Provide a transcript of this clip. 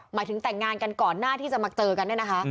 หมายถึงแต่งงานกันก่อนหน้าที่จะมาเจอกัน